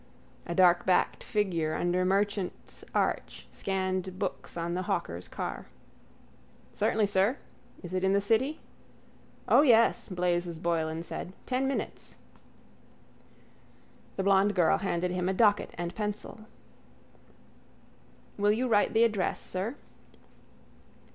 A darkbacked figure under Merchants' arch scanned books on the hawker's cart. —Certainly, sir. Is it in the city? —O, yes, Blazes Boylan said. Ten minutes. The blond girl handed him a docket and pencil. —Will you write the address, sir?